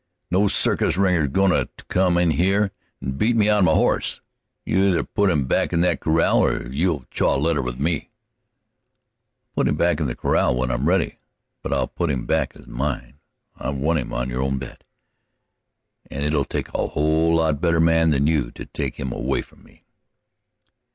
"No circus ringer's goin' to come in here and beat me out of my horse. You'll either put him back in that corral or you'll chaw leather with me!" "I'll put him back in the corral when I'm ready, but I'll put him back as mine. I won him on your own bet, and it'll take a whole lot better man than you to take him away from me."